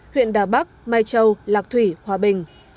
huyện đà bắc mai châu lạc thủy hòa bình